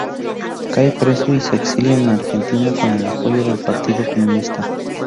Cae preso y se exilia en Argentina con el apoyo del Partido Comunista.